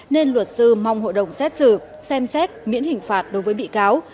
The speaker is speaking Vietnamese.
nên luật sư mong hội đồng xét xử xem xét miễn hình phạt đối với bị cáo